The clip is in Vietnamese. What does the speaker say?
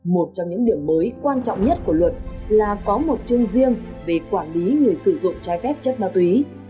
một trong những điểm mới quan trọng nhất của luật là có một chương riêng về quản lý người sử dụng trái phép chất ma túy